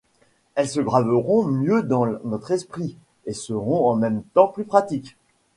Elles se graveront mieux dans notre esprit, et seront en même temps plus pratiques